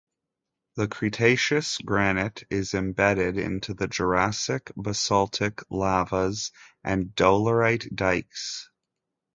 The Cretaceous granite is embedded into the Jurassic basaltic lavas and dolerite dykes.